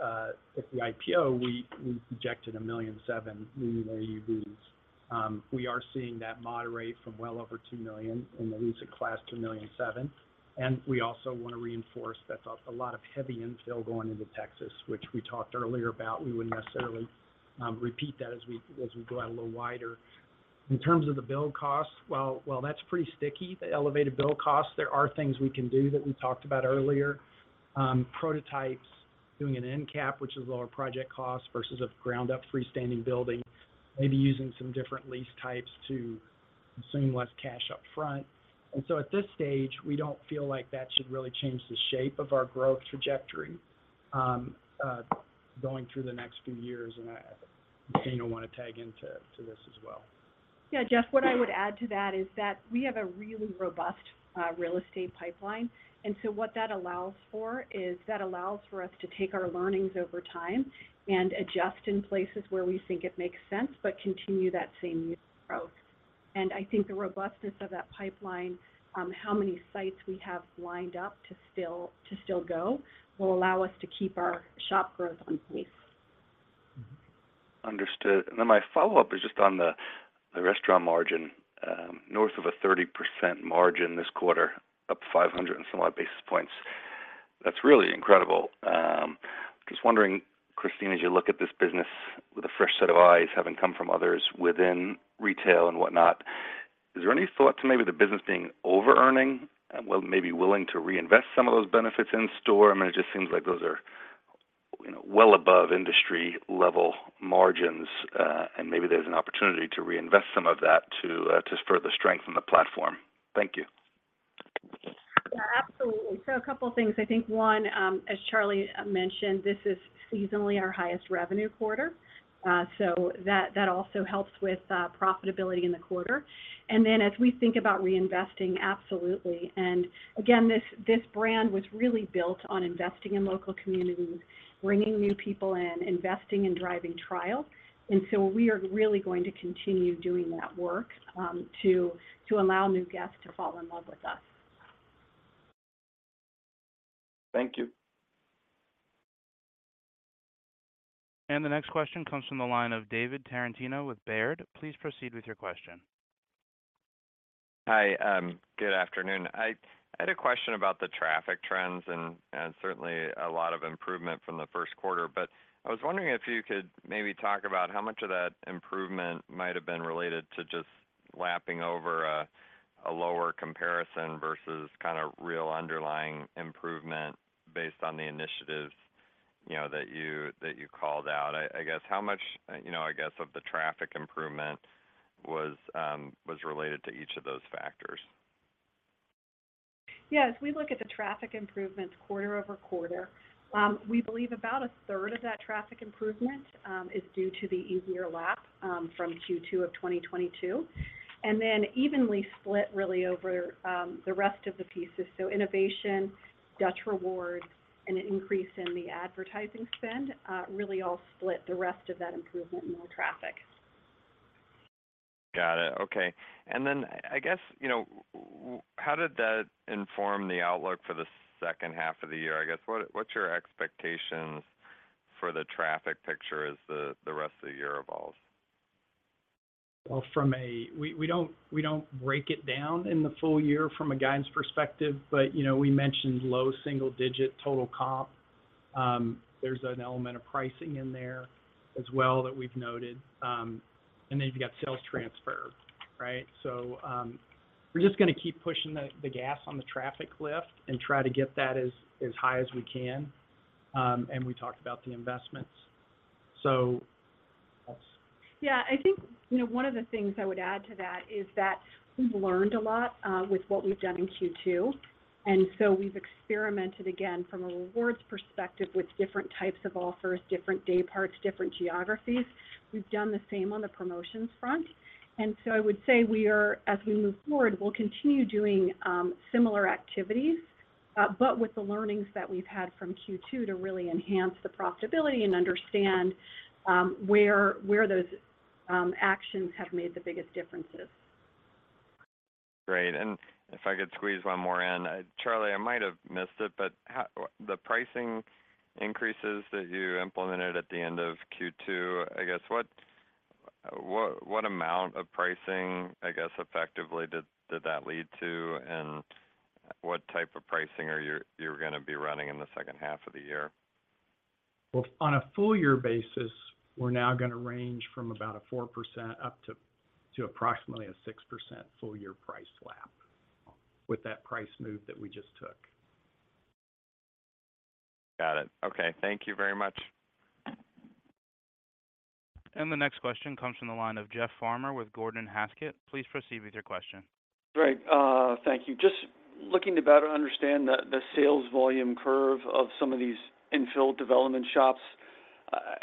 at the IPO, we projected $1.7 million new AUVs. We are seeing that moderate from well over $2 million in the lease of class to $1.7 million, and we also wanna reinforce that's a lot of heavy infill going into Texas, which we talked earlier about. We wouldn't necessarily repeat that as we go out a little wider. In terms of the build costs, well, that's pretty sticky. The elevated build costs, there are things we can do that we talked about earlier. Prototypes, doing an end cap, which is lower project cost versus a ground up freestanding building, maybe using some different lease types to consume less cash upfront. At this stage, we don't feel like that should really change the shape of our growth trajectory, going through the next few years. I Christine wanna tag into this as well. Yeah, Jeff, what I would add to that is that we have a really robust real estate pipeline. What that allows for is that allows for us to take our learnings over time and adjust in places where we think it makes sense, but continue that same unit growth. I think the robustness of that pipeline, how many sites we have lined up to still, to still go, will allow us to keep our shop growth on pace. Understood. Then my follow-up is just on the, the restaurant margin, north of a 30% margin this quarter, up 500 and some odd basis points. That's really incredible. Just wondering, Christine, as you look at this business with a fresh set of eyes, having come from others within retail and whatnot, is there any thought to maybe the business being overearning and well, maybe willing to reinvest some of those benefits in store? I mean, it just seems like those are, you know, well above industry level margins, and maybe there's an opportunity to reinvest some of that to, to further strengthen the platform. Thank you. Yeah, absolutely. A couple of things. I think one, as Charley mentioned, this is seasonally our highest revenue quarter. That, that also helps with profitability in the quarter. Then as we think about reinvesting, absolutely, and again, this, this brand was really built on investing in local communities, bringing new people in, investing and driving trial. We are really going to continue doing that work, to, to allow new guests to fall in love with us. Thank you. The next question comes from the line of David Tarantino with Baird. Please proceed with your question. Hi, good afternoon. I, I had a question about the traffic trends and, and certainly a lot of improvement from the first quarter, but I was wondering if you could maybe talk about how much of that improvement might have been related to just lapping over a, a lower comparison versus kind of real underlying improvement based on the initiatives, you know, that you, that you called out. I, I guess how much, you know, I guess, of the traffic improvement was related to each of those factors? Yeah, as we look at the traffic improvements quarter-over-quarter, we believe about a third of that traffic improvement is due to the easier lap from Q2 of 2022, and then evenly split really over the rest of the pieces. Innovation, Dutch Rewards, and an increase in the advertising spend, really all split the rest of that improvement in our traffic. Got it. Okay. I guess, you know, how did that inform the outlook for the second half of the year? I guess, what's your expectations for the traffic picture as the rest of the year evolves? We, we don't, we don't break it down in the full year from a guidance perspective, but, you know, we mentioned low single-digit total comp. There's an element of pricing in there as well that we've noted. Then you've got sales transfer, right? We're just gonna keep pushing the, the gas on the traffic lift and try to get that as, as high as we can. We talked about the investments. Yeah, I think, you know, one of the things I would add to that is that we've learned a lot, with what we've done in Q2. So we've experimented, again, from a rewards perspective, with different types of offers, different day parts, different geographies. We've done the same on the promotions front. So I would say as we move forward, we'll continue doing similar activities, but with the learnings that we've had from Q2 to really enhance the profitability and understand where, where those actions have made the biggest differences. Great. If I could squeeze one more in. Charley, I might have missed it, but the pricing increases that you implemented at the end of Q2, I guess, what amount of pricing, I guess, effectively did that lead to? What type of pricing are you gonna be running in the second half of the year? Well, on a full year basis, we're now gonna range from about a 4% up to approximately a 6% full year price lap with that price move that we just took. Got it. Okay, thank you very much. The next question comes from the line of Jeff Farmer with Gordon Haskett. Please proceed with your question. Great, thank you. Just looking to better understand the, the sales volume curve of some of these infill development shops.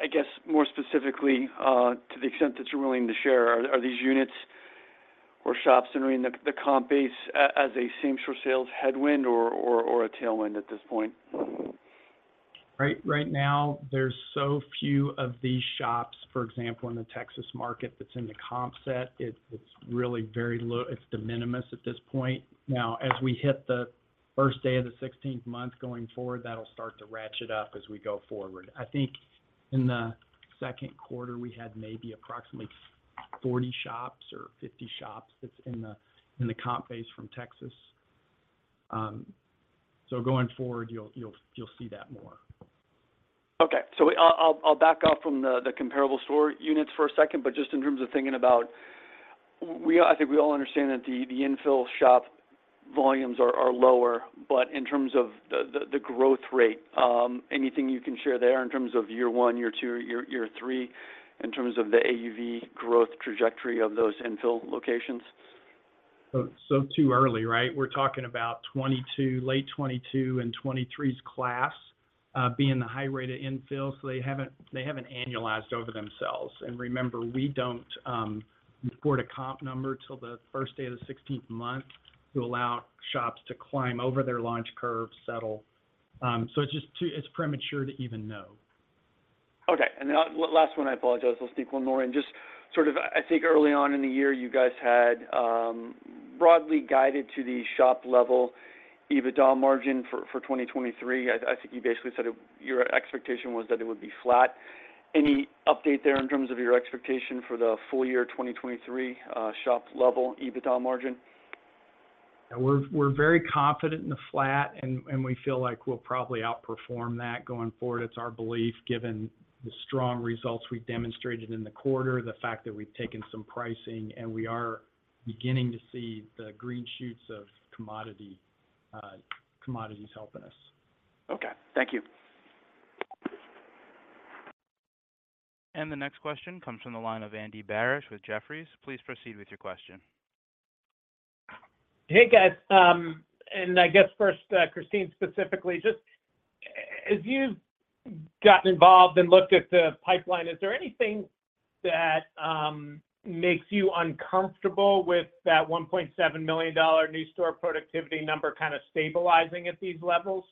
I guess, more specifically, to the extent that you're willing to share, are, are these units or shops entering the, the comp base as a same-shop sales headwind or, or, or a tailwind at this point? Right, right now, there's so few of these shops, for example, in the Texas market that's in the comp set. It's, it's really very low. It's de minimis at this point. Now, as we hit the first day of the 16th month going forward, that'll start to ratchet up as we go forward. I think in the 2nd quarter, we had maybe approximately 40 shops or 50 shops that's in the, in the comp base from Texas. Going forward, you'll, you'll, you'll see that more. Okay. I'll, I'll, I'll back off from the, the comparable store units for a second, but just in terms of thinking about, I think we all understand that the, the infill shop volumes are, are lower, but in terms of the, the, the growth rate, anything you can share there in terms of year one, year two, year, year three, in terms of the AUV growth trajectory of those infill locations? So too early, right? We're talking about 2022, late 2022 and 2023's class being the high rate of infill, so they haven't, they haven't annualized over themselves. Remember, we don't report a comp number till the first day of the 16th month to allow shops to climb over their launch curve, settle. It's just too premature to even know. Okay. Last one, I apologize. I'll sneak one more in. Just sort of, I think early on in the year, you guys had broadly guided to the shop level EBITDA margin for, for 2023. I think you basically said your expectation was that it would be flat. Any update there in terms of your expectation for the full year 2023, shop level EBITDA margin? Yeah, we're, we're very confident in the flat, and, and we feel like we'll probably outperform that going forward. It's our belief, given the strong results we've demonstrated in the quarter, the fact that we've taken some pricing, and we are beginning to see the green shoots of commodity, commodities helping us. Okay. Thank you. The next question comes from the line of Andy Barish with Jefferies. Please proceed with your question. Hey, guys. I guess first, Christine, specifically, just as you've gotten involved and looked at the pipeline, is there anything that makes you uncomfortable with that $1.7 million new store productivity number kind of stabilizing at these levels?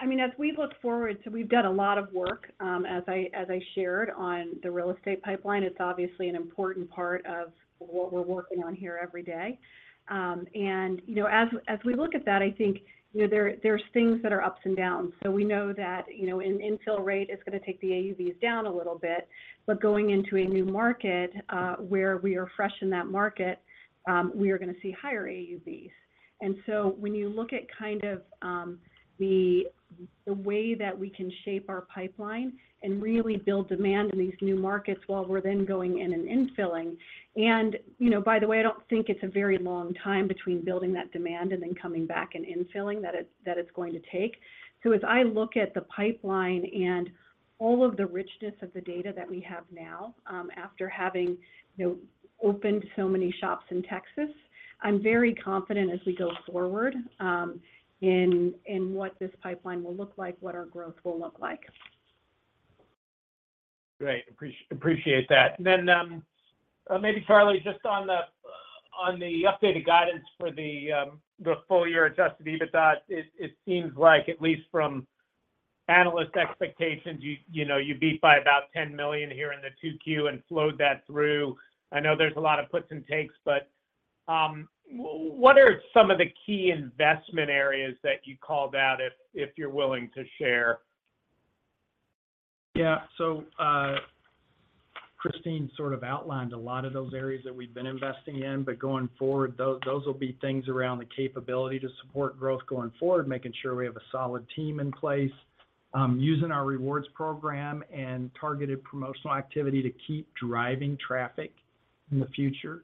I mean, as we look forward, we've done a lot of work, as I, as I shared on the real estate pipeline. It's obviously an important part of what we're working on here every day. You know, as, as we look at that, I think, you know, there, there's things that are ups and downs. You know, an infill rate is gonna take the AUVs down a little bit, but going into a new market, where we are fresh in that market, we are gonna see higher AUVs. When you look at kind of, the way that we can shape our pipeline and really build demand in these new markets while we're then going in and infilling. You know, by the way, I don't think it's a very long time between building that demand and then coming back and infilling, that it's going to take. As I look at the pipeline and all of the richness of the data that we have now, after having, you know, opened so many shops in Texas, I'm very confident as we go forward, in what this pipeline will look like, what our growth will look like. Great. Appreciate that. Maybe, Charley, just on the updated guidance for the full-year Adjusted EBITDA, it seems like, at least from analyst expectations, you know, you beat by about $10 million here in the 2Q and flowed that through. I know there's a lot of puts and takes, but, what are some of the key investment areas that you called out, if, if you're willing to share? Yeah. Christine sort of outlined a lot of those areas that we've been investing in. Going forward, those, those will be things around the capability to support growth going forward, making sure we have a solid team in place, using our rewards program and targeted promotional activity to keep driving traffic in the future.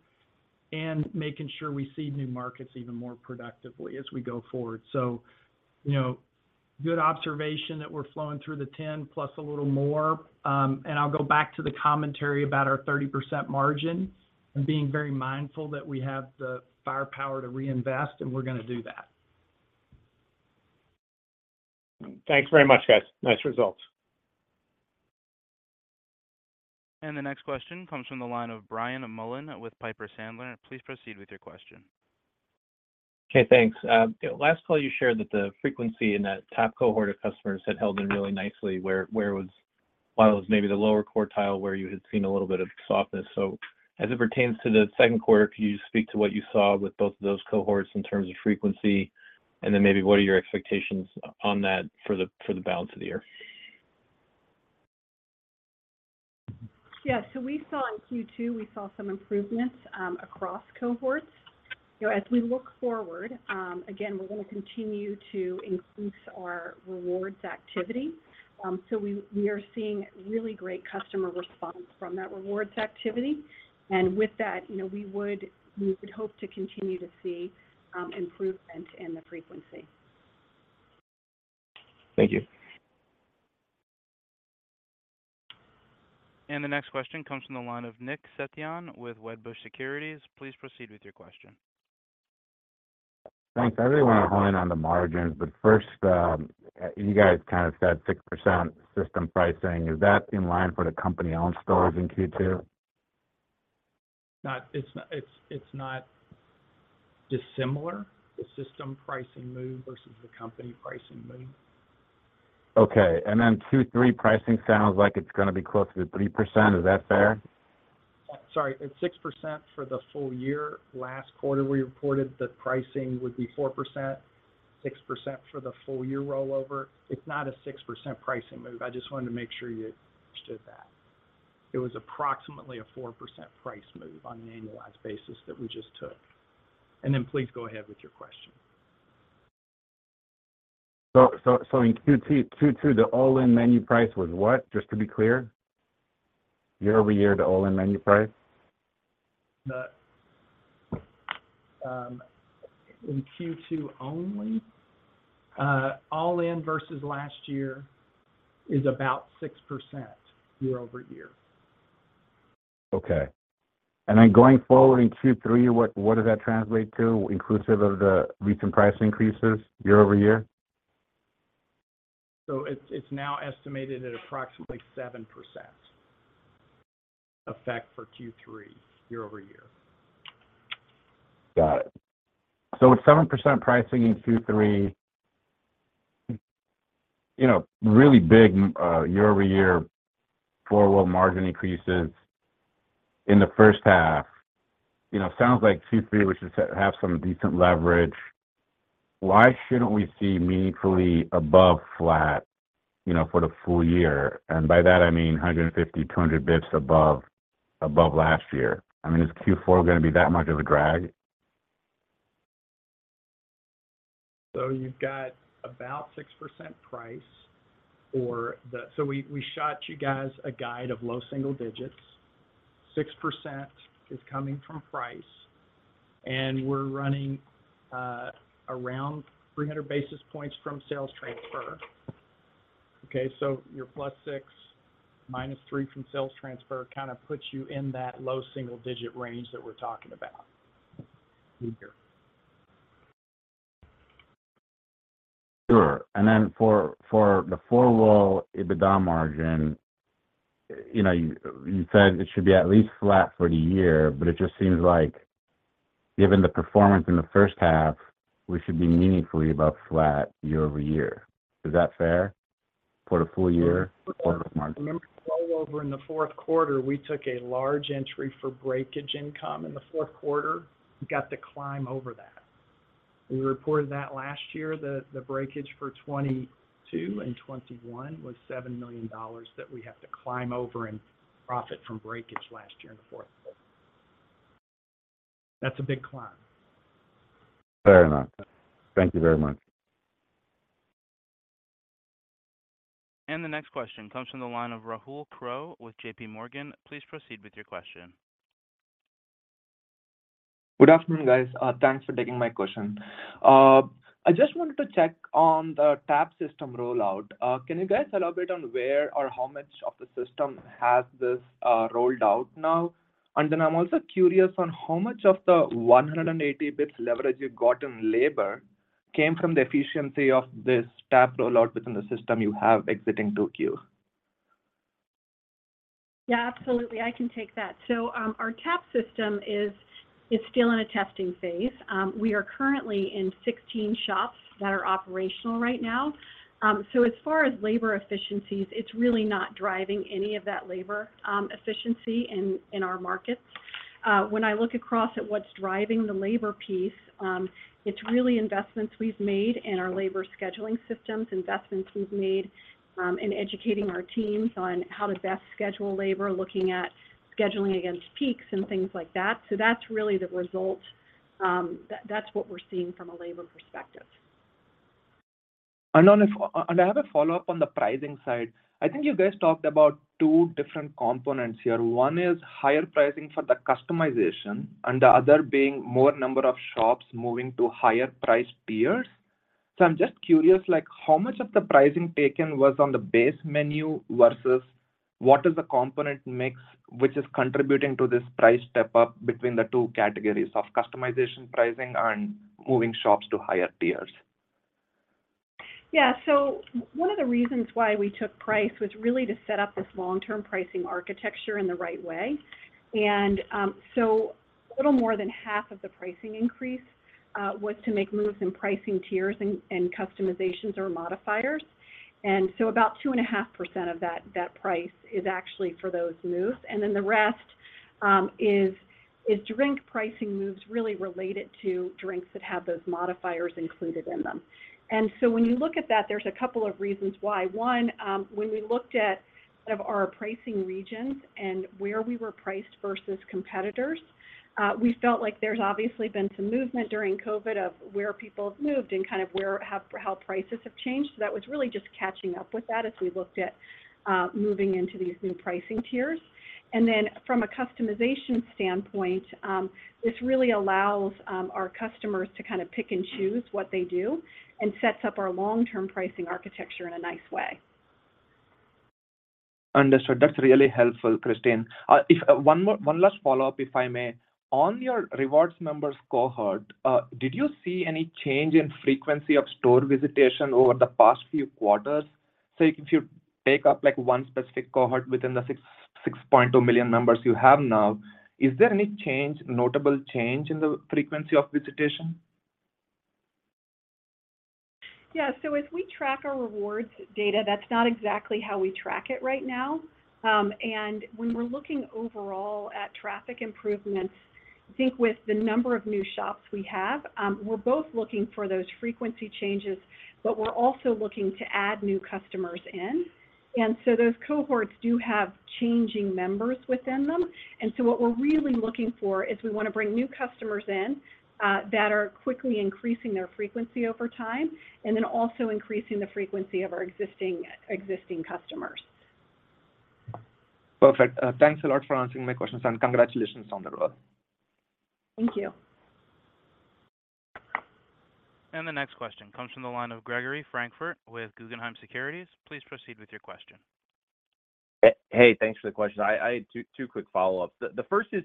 Making sure we see new markets even more productively as we go forward. You know, good observation that we're flowing through the 10 plus a little more. I'll go back to the commentary about our 30% margin and being very mindful that we have the firepower to reinvest, and we're going to do that. Thanks very much, guys. Nice results. The next question comes from the line of Brian Mullan with Piper Sandler. Please proceed with your question. Okay, thanks. last call you shared that the frequency in that top cohort of customers had held in really nicely. while it was maybe the lower quartile where you had seen a little bit of softness. as it pertains to the second quarter, could you just speak to what you saw with both of those cohorts in terms of frequency, and then maybe what are your expectations on that for the, for the balance of the year? Yeah. We saw in Q2, we saw some improvements across cohorts. You know, as we look forward, again, we're going to continue to increase our rewards activity. We, we are seeing really great customer response from that rewards activity, and with that, you know, we would hope to continue to see improvement in the frequency. Thank you. The next question comes from the line of Nick Setyan with Wedbush Securities. Please proceed with your question. Thanks. I really want to hone in on the margins, first, you guys kind of said 6% system pricing. Is that in line for the company-owned stores in Q2? It's not dissimilar, the system pricing move versus the company pricing move. Okay. Then Q3 pricing sounds like it's going to be close to 3%. Is that fair? Sorry, it's 6% for the full year. Last quarter, we reported the pricing would be 4%, 6% for the full year rollover. It's not a 6% pricing move. I just wanted to make sure you understood that. It was approximately a 4% price move on an annualized basis that we just took. Please go ahead with your question. in Q2, Q2, the all-in menu price was what? Just to be clear. Year-over-year, the all-in menu price. The in Q2 only, all in versus last year is about 6% year-over-year. Okay. Then going forward in Q3, what does that translate to, inclusive of the recent price increases year-over-year? It's, it's now estimated at approximately 7% effect for Q3, year-over-year. Got it. With 7% pricing in Q3, you know, really big, year-over-year forward margin increases in the first half. You know, sounds like Q3, we should have some decent leverage. Why shouldn't we see meaningfully above flat, you know, for the full year? By that I mean, 150, 200 basis points above, above last year. I mean, is Q4 going to be that much of a drag? You've got about 6% price. We shot you guys a guide of low single digits. 6% is coming from price, and we're running around 300 basis points from sales transfer. Your +6, -3 from sales transfer, kind of puts you in that low single digit range that we're talking about. Sure. Then for, for the four-wall EBITDA margin, you know, you, you said it should be at least flat for the year, but it just seems like given the performance in the first half, we should be meaningfully above flat year-over-year. Is that fair for the full year for the margin? Well, over in the fourth quarter, we took a large entry for breakage income in the fourth quarter. We got to climb over that. We reported that last year, the breakage for 2022 and 2021 was $7 million, that we have to climb over in profit from breakage last year in the fourth quarter. That's a big climb. Fair enough. Thank you very much. The next question comes from the line of Rahul Krotthapalli with J.P. Morgan. Please proceed with your question. Good afternoon, guys. Thanks for taking my question. I just wanted to check on the tap system rollout. Can you guys tell a bit on where or how much of the system has this rolled out now? Then I'm also curious on how much of the 180 basis points leverage you got in labor came from the efficiency of this tap rollout within the system you have exiting 2Q? Yeah, absolutely. I can take that. Our tap system is still in a testing phase. We are currently in 16 shops that are operational right now. As far as labor efficiencies, it's really not driving any of that labor efficiency in our markets. When I look across at what's driving the labor piece, it's really investments we've made in our labor scheduling systems, investments we've made in educating our teams on how to best schedule labor, looking at scheduling against peaks and things like that. That's really the result that's what we're seeing from a labor perspective. I have a follow-up on the pricing side. I think you guys talked about 2 different components here. 1 is higher pricing for the customization, and the other being more number of shops moving to higher price tiers. I'm just curious, like, how much of the pricing taken was on the base menu versus what is the component mix, which is contributing to this price step up between the 2 categories of customization, pricing, and moving shops to higher tiers? Yeah. One of the reasons why we took price was really to set up this long-term pricing architecture in the right way. A little more than half of the pricing increase was to make moves in pricing tiers and, and customizations or modifiers. About 2.5% of that, that price is actually for those moves. The rest is, is drink pricing moves really related to drinks that have those modifiers included in them. When you look at that, there's a couple of reasons why. One, when we looked at sort of our pricing regions and where we were priced versus competitors, we felt like there's obviously been some movement during COVID of where people have moved and kind of where, how, how prices have changed. That was really just catching up with that as we looked at moving into these new pricing tiers. From a customization standpoint, this really allows our customers to kind of pick and choose what they do and sets up our long-term pricing architecture in a nice way. Understood. That's really helpful, Christine. If one last follow-up, if I may. On your rewards members cohort, did you see any change in frequency of store visitation over the past few quarters? If you take up, like, one specific cohort within the 6.6 million members you have now, is there any change, notable change in the frequency of visitation? Yeah. As we track our rewards data, that's not exactly how we track it right now. When we're looking overall at traffic improvements, I think with the number of new shops we have, we're both looking for those frequency changes, but we're also looking to add new customers in, and so those cohorts do have changing members within them. What we're really looking for is we wanna bring new customers in that are quickly increasing their frequency over time, and then also increasing the frequency of our existing customers. Perfect. Thanks a lot for answering my questions, and congratulations on the role. Thank you. The next question comes from the line of Gregory Francfort with Guggenheim Securities. Please proceed with your question. Hey, thanks for the question. I had two quick follow-ups. The first is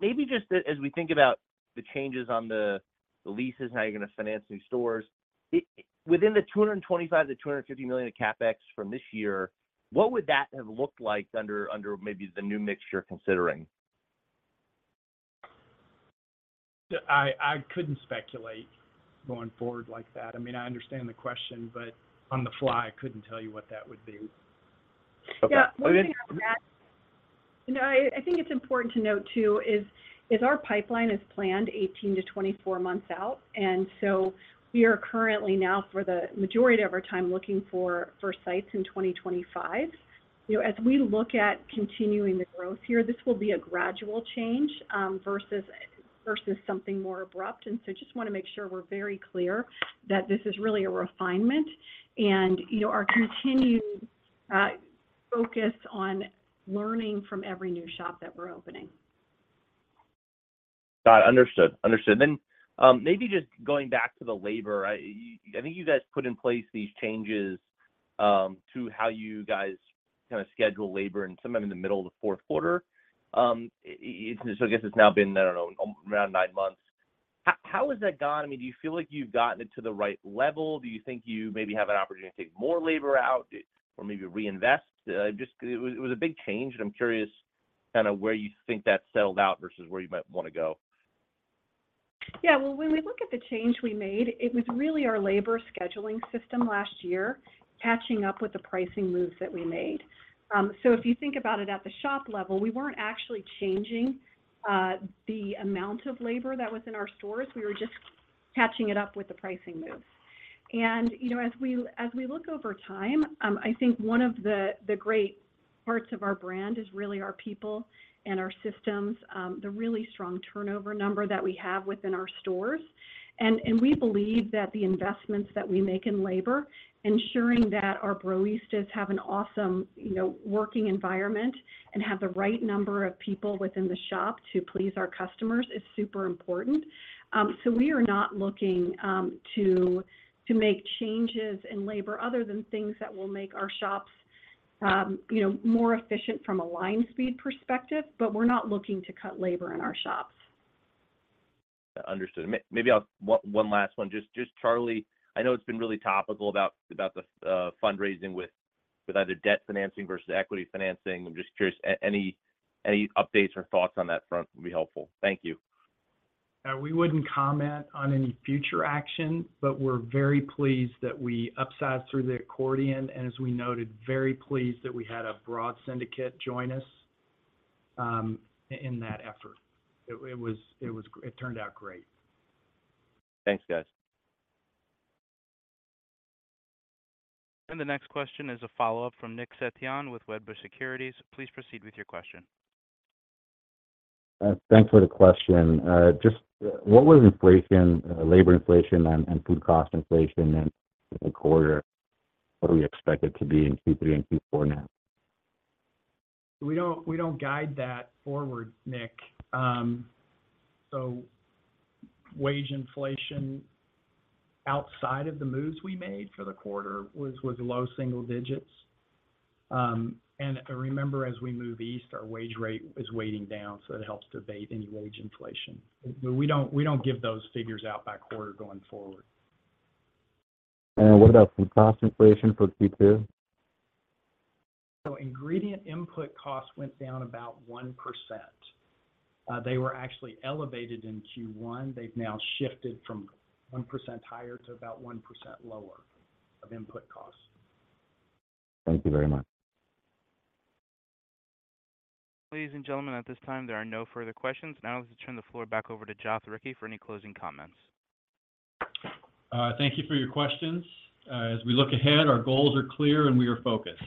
maybe just as we think about the changes on the leases, how you're gonna finance new stores. Within the $225 million-$250 million of CapEx from this year, what would that have looked like under maybe the new mixture considering? I, I couldn't speculate going forward like that. I mean, I understand the question, on the fly, I couldn't tell you what that would be. Okay. Yeah, one thing on that. No, I think it's important to note, too, is our pipeline is planned 18-24 months out, and so we are currently now, for the majority of our time, looking for sites in 2025. You know, as we look at continuing the growth here, this will be a gradual change versus something more abrupt. Just wanna make sure we're very clear that this is really a refinement and, you know, our continued focus on learning from every new shop that we're opening. Got it. Understood. Understood. Maybe just going back to the labor, I think you guys put in place these changes to how you guys kinda schedule labor and sometime in the middle of the fourth quarter. So I guess it's now been, I don't know, around nine months. How has that gone? I mean, do you feel like you've gotten it to the right level? Do you think you maybe have an opportunity to take more labor out or maybe reinvest? Just, 'cause it was, it was a big change, and I'm curious kinda where you think that's settled out versus where you might wanna go. Yeah. Well, when we look at the change we made, it was really our labor scheduling system last year, catching up with the pricing moves that we made. If you think about it at the shop level, we weren't actually changing the amount of labor that was in our stores. We were just catching it up with the pricing moves. You know, as we, as we look over time, I think one of the, the great parts of our brand is really our people and our systems, the really strong turnover number that we have within our stores. We believe that the investments that we make in labor, ensuring that our baristas have an awesome, you know, working environment and have the right number of people within the shop to please our customers, is super important. We are not looking to, to make changes in labor other than things that will make our shops, you know, more efficient from a line speed perspective, but we're not looking to cut labor in our shops. Understood. One last one. Just, Charley, I know it's been really topical about, about the fundraising with, with either debt financing versus equity financing. I'm just curious, any, any updates or thoughts on that front will be helpful. Thank you. we wouldn't comment on any future action, but we're very pleased that we upsized through the accordion, and as we noted, very pleased that we had a broad syndicate join us, in that effort. It, it was, it was it turned out great. Thanks, guys. The next question is a follow-up from Nick Setyan with Wedbush Securities. Please proceed with your question. Thanks for the question. Just what was inflation, labor inflation and food cost inflation in the quarter? What do we expect it to be in Q3 and Q4 now? We don't, we don't guide that forward, Nick. Wage inflation, outside of the moves we made for the quarter, was low single digits. Remember, as we move east, our wage rate is weighting down, so it helps to abate any wage inflation. We don't, we don't give those figures out by quarter going forward. What about food cost inflation for Q2? Ingredient input costs went down about 1%. They were actually elevated in Q1. They've now shifted from 1% higher to about 1% lower of input costs. Thank you very much. Ladies and gentlemen, at this time, there are no further questions. Let's turn the floor back over to Joth Ricci for any closing comments. Thank you for your questions. As we look ahead, our goals are clear, and we are focused.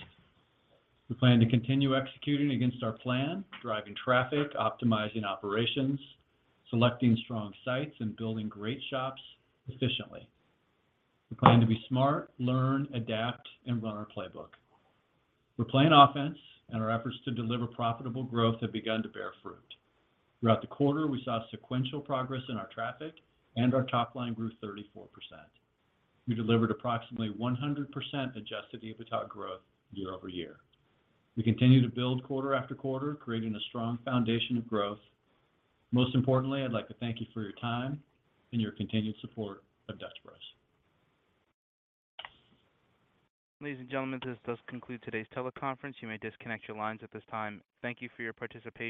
We plan to continue executing against our plan, driving traffic, optimizing operations, selecting strong sites, and building great shops efficiently. We plan to be smart, learn, adapt, and run our playbook. We're playing offense, and our efforts to deliver profitable growth have begun to bear fruit. Throughout the quarter, we saw sequential progress in our traffic, and our top line grew 34%. We delivered approximately 100% Adjusted EBITDA growth year-over-year. We continue to build quarter after quarter, creating a strong foundation of growth. Most importantly, I'd like to thank you for your time and your continued support of Dutch Bros. Ladies and gentlemen, this does conclude today's teleconference. You may disconnect your lines at this time. Thank you for your participation.